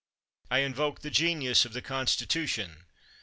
I invoke the genius of the Constitution.